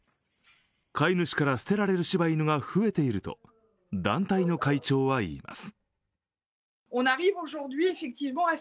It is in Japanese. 飼い主から捨てられるしば犬が増えていると団体の会長は言います。